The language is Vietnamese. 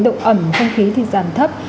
độ ẩm không khí thì giảm thấp